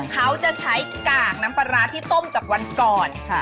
เขาจะใช้กากน้ำปลาร้าที่ต้มจากวันก่อน